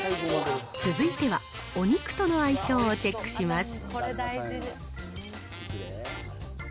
続いては、お肉との相性をチェックします。